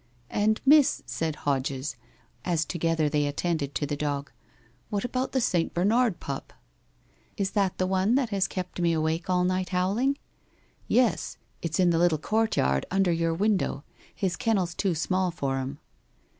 ' And, miss,' said Hodges, as together they attended to the dog, ' what about the St. Bernard pup ?'' Is that the one that has kept me awake all night howl ing?' ' Yes. It's in the little courtyard under your window. His kennel's too small for him.'